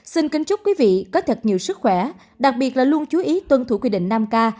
xin kính chúc quý vị có thật nhiều sức khỏe đặc biệt là luôn chú ý tuân thủ quy định năm k